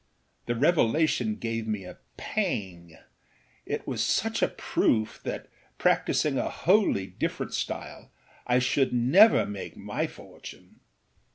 The revelation gave me a pang: it was such a proof that, practising a totally different style, I should never make my fortune.